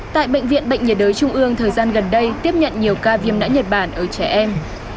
tại bệnh viện bệnh nhiệt đới trung ương thời gian gần đây tiếp nhận nhiều ca viêm não nhật bản ở trẻ em